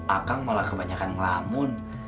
akang malah kebanyakan ngelamun